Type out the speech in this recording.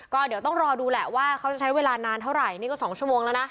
ก็เดี๋ยวต้องรอดูแหละว่าเขาจะใช้เวลานานเท่าไหร่นี่ก็๒ชั่วโมงแล้วนะ